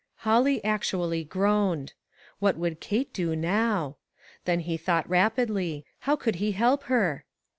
Holly actually groaned. What would Ksite do now ? Then he thought rapidly. How could he help her?